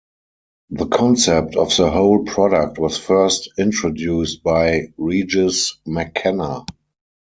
The concept of the whole product was first introduced by Regis McKenna.